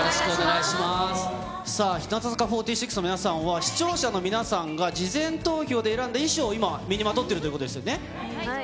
日向坂４６の皆さんは視聴者の皆さんが事前投票で選んだ衣装を今、身にまとっているということですね。